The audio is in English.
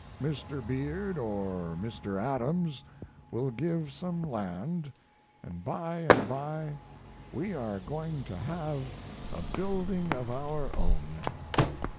Mr. Beard or Mr. Adams will give some land, and by and by we are going to have a building of our own.